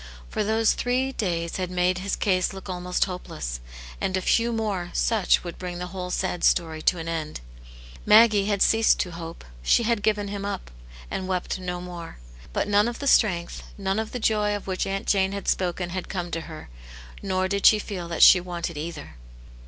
For those three days had made his case look almost hopeless, and a few more such would bring the whole sad story to an end. Maggie had ceased to hope; she had given him up, Aunt Jane's Hero. 151 and wept no more. But none of the strength, none of the joy of which Aunt Jane had spoken had come to her, ' nor did she feel that she wanted cither.